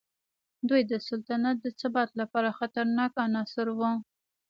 دوی د سلطنت د ثبات لپاره خطرناک عناصر وو.